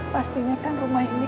pastinya kan rumah ini